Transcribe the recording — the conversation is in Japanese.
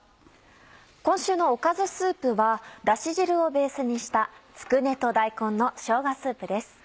今週のおかずスープはダシ汁をベースにした「つくねと大根のしょうがスープ」です。